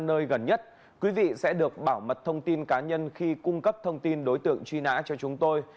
nơi gần nhất quý vị sẽ được bảo mật thông tin cá nhân khi cung cấp thông tin đối tượng truy nã cho chúng tôi